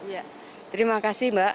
iya terima kasih mbak